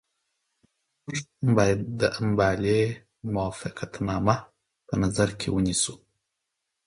موږ باید د امبالې موافقتنامه په نظر کې ونیسو.